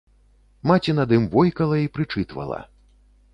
Маці над ім войкала і прычытвала.